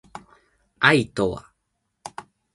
愛とは